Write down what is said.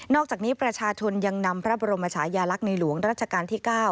อกจากนี้ประชาชนยังนำพระบรมชายาลักษณ์ในหลวงรัชกาลที่๙